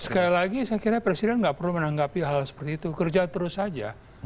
sekali lagi saya kira presiden nggak perlu menanggapi hal seperti itu kerja terus saja